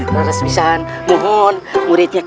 raden izinkanlah kami untuk